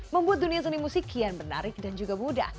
membuat dunia seni musik kian menarik dan juga mudah